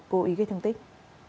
cố ý gây thương tích